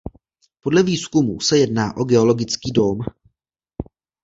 Podle výzkumů se jedná o geologický dóm.